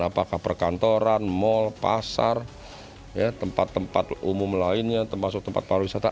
apakah perkantoran mal pasar tempat tempat umum lainnya termasuk tempat pariwisata